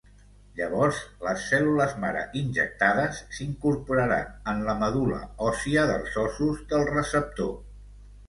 Llavors, les cèl·lules mare injectades s'incorporaran en la medul·la òssia dels ossos del receptor.